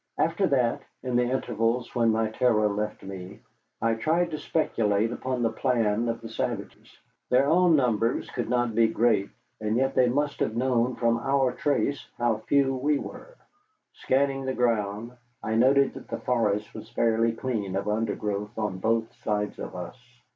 After that, in the intervals when my terror left me, I tried to speculate upon the plan of the savages. Their own numbers could not be great, and yet they must have known from our trace how few we were. Scanning the ground, I noted that the forest was fairly clean of undergrowth on both sides of us.